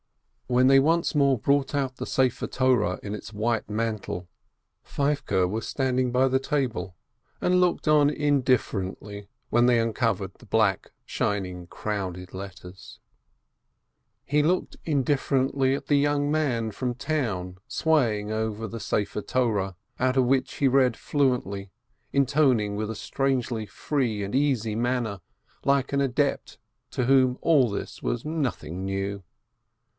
When they once more brought out the scroll of the Law in its white mantle, Feivke was standing by the table, and 36 558 BERKOWITZ looked on indifferently while they uncovered the black, shining, crowded letters. He looked indifferently at the young man from town swaying over the Torah, out of which he read fluently, intoning with a strangely free and easy manner, like an adept to whom all this was nothing new.